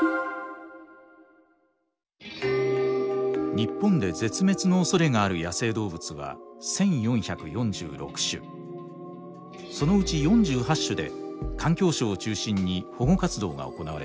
日本で絶滅のおそれがある野生動物はそのうち４８種で環境省を中心に保護活動が行われています。